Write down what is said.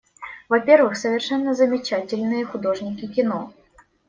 Во-первых, совершенно замечательные художники кино.